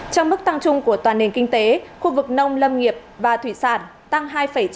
trong mức tăng chung của toàn nền kinh tế khu vực nông lâm nghiệp và thủy sản tăng hai chín